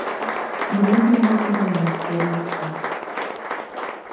Мне для гэтага неабходны час.